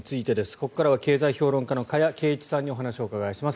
ここからは経済評論家の加谷珪一さんにお話を伺います。